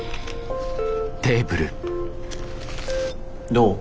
どう？